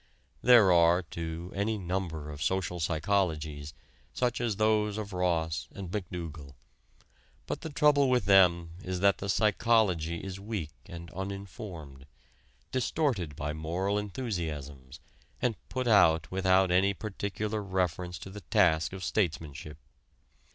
There are, too, any number of "social psychologies," such as those of Ross and McDougall. But the trouble with them is that the "psychology" is weak and uninformed, distorted by moral enthusiasms, and put out without any particular reference to the task of statesmanship.